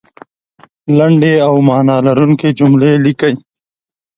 لنډې او معنا لرونکې جملې لیکئ